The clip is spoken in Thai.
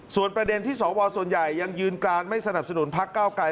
ส่วนประเด็นที่สวส่วนใหญ่ยังยืนกรานไม่สนับสนุนพักเก้าไกร